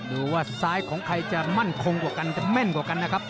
ดูว่าซ้ายของใครจะมั่นคงกว่ากันจะแม่นกว่ากันนะครับ